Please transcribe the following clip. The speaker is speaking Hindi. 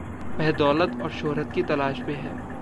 वह दौलत और शोहरत की तलाश में है।